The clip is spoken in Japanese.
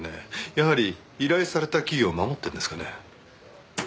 やはり依頼された企業を守ってるんですかね？